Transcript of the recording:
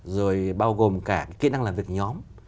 rồi bao gồm cả kỹ năng làm việc nhóm